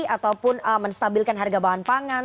ataupun menstabilkan harga bahan pangan